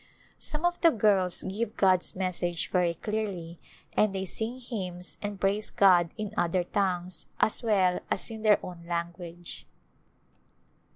Some of the girls give God's message very clearly and they sing hymns and praise God in " other tongues" as well as in their own language.